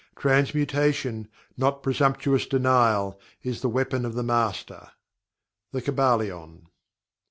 Transmutation, not presumptuous denial, is the weapon of the Master." The Kybalion.